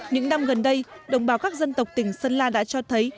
những năm gần đây đồng bào các dân tộc tỉnh sơn la đã cho thấy